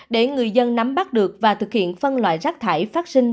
để người dân nắm bắt được và thực hiện phân loại rác thải phát sinh